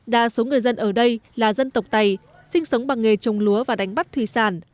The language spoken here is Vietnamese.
đa số người dân ở đây là dân tộc tày sinh sống bằng nghề trồng lúa và đánh bắt thủy sản